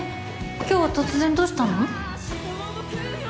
今日は突然どうしたの？